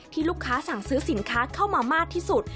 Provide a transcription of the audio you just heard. ลูกค้าสั่งซื้อสินค้าเข้ามามากที่สุด